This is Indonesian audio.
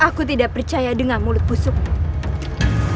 aku tidak percaya dengan mulut pusukmu